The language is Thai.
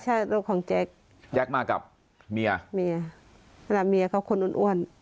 ใช่รถของแจ็คแจ๊คมากับเมียเมียแต่เมียเขาคนอ้วนอ้วน